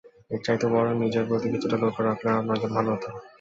এর চাইতে বরং নিজের প্রতি কিছুটা লক্ষ্য রাখলেই আপনার জন্য ভাল হতো।